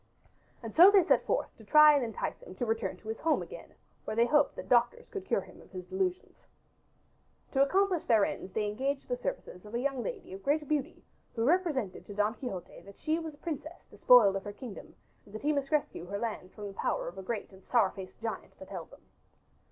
And so they set forth to try and entice him to return to his home again where they hoped that doctors could cure him of his delusions. To accomplish their ends they engaged the services of a young lady of great beauty who represented to Don Quixote that she was a princess despoiled of her kingdom, and that he must rescue her lands from the power of a great and sour faced giant that held them.